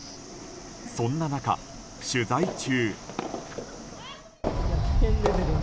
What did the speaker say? そんな中、取材中。